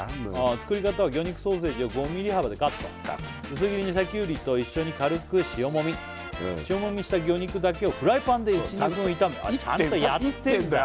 作り方は魚肉ソーセージを５ミリ幅でカット薄切りにしたきゅうりと一緒に軽く塩もみ塩もみした魚肉だけをフライパンで１２分炒めあちゃんとやってんだいってんだよ